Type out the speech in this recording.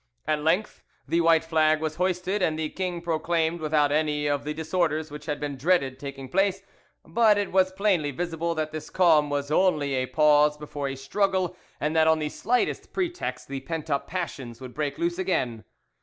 At length the white flag was hoisted and the king proclaimed without any of the disorders which had been dreaded taking place, but it was plainly visible that this calm was only a pause before a struggle, and that on the slightest pretext the pent up passions would break loose again.